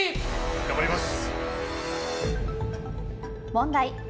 頑張ります！